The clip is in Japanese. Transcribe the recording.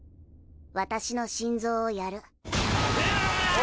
私の心臓をやる。